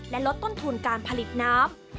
และลดต้นทุนการผลิตน้ำ